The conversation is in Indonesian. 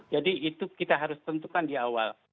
jadi itu kita harus tentukan di awal